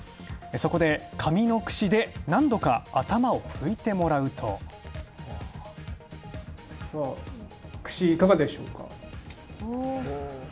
そこで紙のくしで何度か頭を拭いてもらうと。くし、いかがでしょうか？